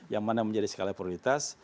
yang mana menjadi skala prioritas